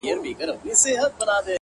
دا مشر کشر پرې لږ وپېژنۍ